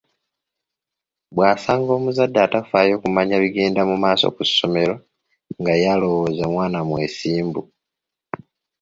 Bwasanga omuzadde atafaayo kumanya bigenda mu maaso ku ssomero nga ye alowooza omwana mwesimbu.